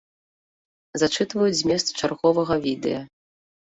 Зачытваюць змест чарговага відэа.